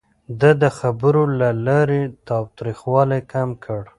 ده د خبرو له لارې تاوتريخوالی کم کړ.